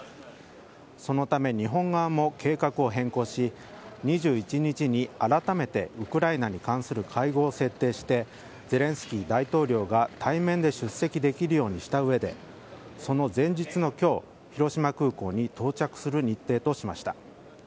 そのため、日本側も計画を変更し２１日にあらためてウクライナに関する会合を設定してゼレンスキー大統領が対面で出席できるようにした上でその前日の今日広島空港に到着する日程としました。